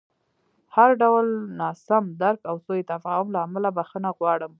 د هر ډول ناسم درک او سوء تفاهم له امله بښنه غواړم.